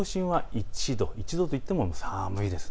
１度といっても寒いです。